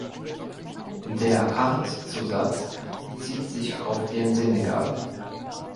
Der Artzusatz bezieht sich auf den Senegal.